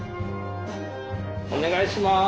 お願いします。